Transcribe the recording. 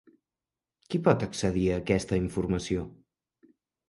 Qui pot accedir a aquesta informació?